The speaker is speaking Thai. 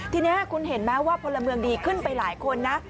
ทีนี้คุณเห็นไหมว่าพลเมืองดีขึ้นไปหลายคนนะ